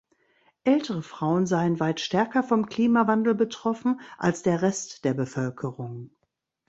Ältere Frauen seien weit stärker vom Klimawandel betroffen als der Rest der Bevölkerung.